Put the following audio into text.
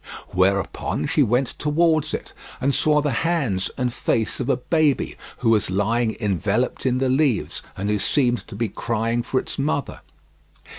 Whereupon she went towards it, and saw the hands and face of a baby who was lying enveloped in the leaves and who seemed to be crying for its mother.